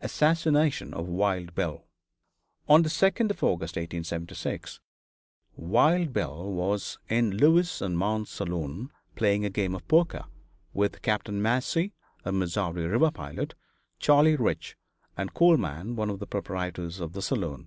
ASSASSINATION OF WILD BILL. On the 2d day of August, 1876, Wild Bill was in Lewis & Mann's saloon, playing a game of poker with Capt. Massey, a Missouri river pilot, Charley Rich, and Cool Mann, one of the proprietors of the saloon.